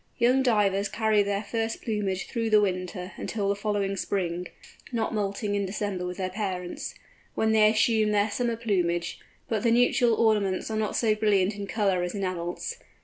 Young Divers carry their first plumage through the winter until the following spring (not moulting in December with their parents), when they assume their summer plumage, but the nuptial ornaments are not so brilliant in colour as in adults.